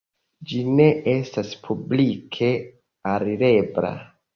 Ĝi ne estas publike alirebla.